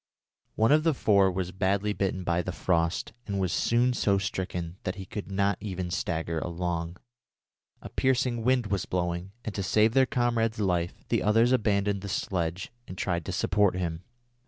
One of the four was badly bitten by the frost, and was soon so stricken that he could not even stagger along. A piercing wind was blowing, and to save their comrade's life, the others abandoned the sledge and tried to support him.